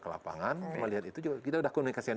ke lapangan kita sudah komunikasikan